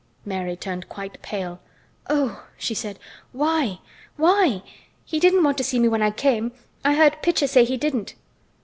Mary turned quite pale. "Oh!" she said. "Why! Why! He didn't want to see me when I came. I heard Pitcher say he didn't."